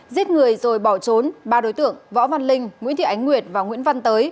giết người rồi bỏ trốn ba đối tượng võ văn linh nguyễn thị ánh nguyệt và nguyễn văn tới